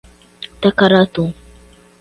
Tacaratu